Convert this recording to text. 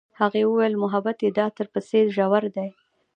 هغې وویل محبت یې د عطر په څېر ژور دی.